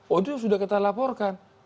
waduh sudah kita laporkan